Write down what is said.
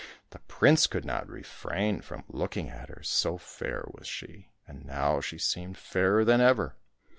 The prince could not refrain from looking at her, so fair was she, and now she seemed fairer than ever.